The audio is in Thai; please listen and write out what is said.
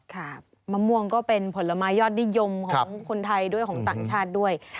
ค่ะมะม่วงก็เป็นผลไม้ยอดนิยมของคนไทยด้วยของต่างชาติด้วย